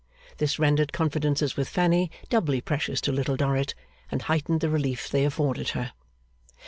This rendered confidences with Fanny doubly precious to Little Dorrit, and heightened the relief they afforded her.